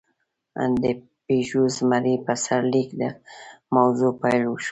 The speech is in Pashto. د «پيژو زمری» په سرلیک د موضوع پېل وشو.